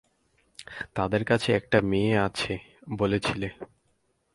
তাদের কাছে একটা মেয়ে আছে বলেছিলে।